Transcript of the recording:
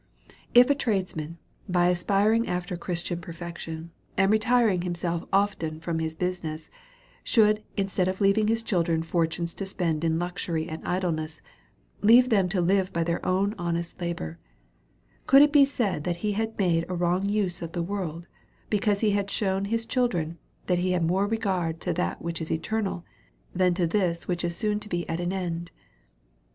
If a tradesman, by aspiring after Christian perfec tion, and retiring himself often from his business, should, instead of leaving his children fortunes to spend in luxury and idleness, leave them to live by their own honest labour ; could it be said that he had made a wrong use of the world, because he had shewn his children, that he had more regard to that which is eternal, than to this which is soon to be at an end.